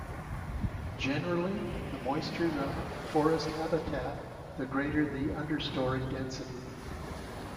Generally the moister the forest habitat the greater the understory density.